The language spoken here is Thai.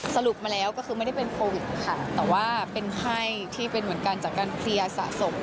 สรุปมาแล้วก็คือไม่ได้เป็นโควิดค่ะแต่ว่าเป็นไข้ที่เป็นเหมือนกันจากการเคลียร์สะสม